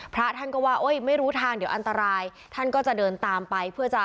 พระท่านก็ว่าไม่รู้ทางเดี๋ยวอันตรายท่านก็จะเดินตามไปเพื่อจะ